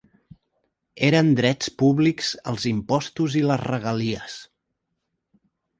Eren drets públics els impostos i les regalies.